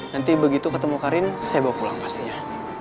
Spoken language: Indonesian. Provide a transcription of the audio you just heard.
nanti begitu ketemu karin saya bawa pulang pasnya